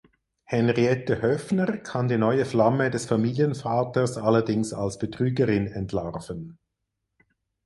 Henriette Höffner kann die neue Flamme des Familienvaters allerdings als Betrügerin entlarven.